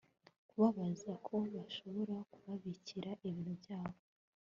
kubabaza ko bashobora kubabikira ibintu byabo